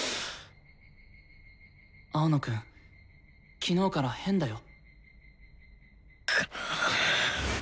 青野くん昨日から変だよ。